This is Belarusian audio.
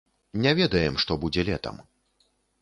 Не ведаем, што будзе летам.